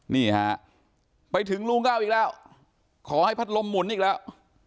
นี่ฮะไปถึงลุงเก้าอีกแล้วขอให้พัดลมหมุนอีกแล้ว